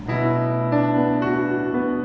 ชื่อนางวุญสงศ์อายุ๕๒ปี